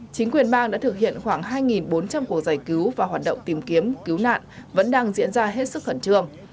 chính quyền bang đã thực hiện khoảng hai bốn trăm linh cuộc giải cứu và hoạt động tìm kiếm cứu nạn vẫn đang diễn ra hết sức khẩn trương